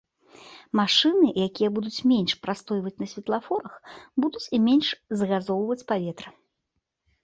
Машыны, якія будуць менш прастойваць на светлафорах, будуць і менш загазоўваць паветра.